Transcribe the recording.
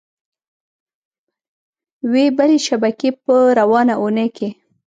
وې بلې شبکې په روانه اونۍ کې